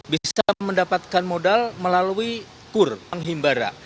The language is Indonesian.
bisa mendapatkan modal melalui kur bank himbara